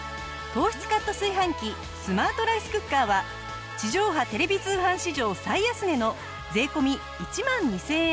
糖質カット炊飯器スマートライスクッカーは地上波テレビ通販史上最安値の税込１万２０００円。